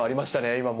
今も。